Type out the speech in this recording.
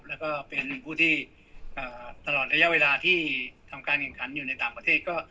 แล้วก็เป็นผู้ที่ตลอดระยะเวลาที่ทำการแข่งขันอยู่ในต่างประเทศก็